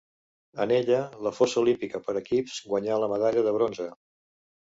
En ella, la fossa olímpica per equips, guanyà la medalla de bronze.